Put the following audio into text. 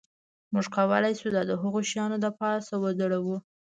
موږ کولی شو دا د هغو شیانو د پاسه وځړوو